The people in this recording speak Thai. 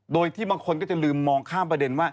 โดยที่บางคนก็จะลืมมองข้ามประเด็นว่า